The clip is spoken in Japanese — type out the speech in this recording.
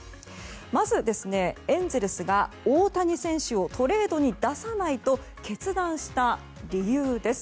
まず、エンゼルスが大谷選手をトレードに出さないと決断した理由です。